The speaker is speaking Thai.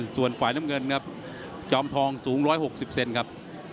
ส่วนฝ่ายน้ำเงินนะครับจอมทองสูงร้อยหกสิบเซนครับ